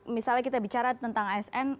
misalnya kita bicara tentang asn